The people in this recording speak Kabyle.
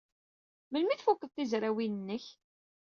Melmi ay tfuked tizrawin-nnek?